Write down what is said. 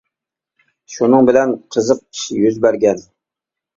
شۇنىڭ بىلەن قىزىق ئىش يۈز بەرگەن.